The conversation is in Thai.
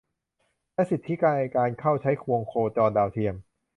และสิทธิในการเข้าใช้วงโคจรดาวเทียม